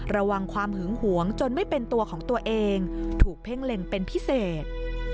ระวังความหึงหวงจนไม่เป็นตัวของตัวเองถูกเพ่งเล็งเป็นพิเศษ